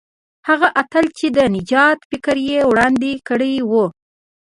هغه اتل چې د نجات فکر یې وړاندې کړی وو.